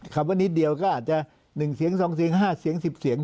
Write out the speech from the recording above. คำว่านิดเดียวก็อาจจะ๑เสียง๒เสียง๕เสียง๑๐เสียง